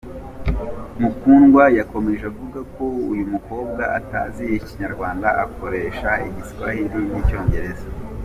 Mukundwa yakomeje avuga ko uyu mukobwa atazi Ikinyarwanda, akoresha Igiswahili n’Icyongereza.